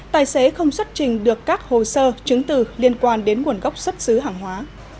tài xế không xuất trình được các hồ sơ chứng từ liên quan đến nguồn gốc xuất xứ hàng hóa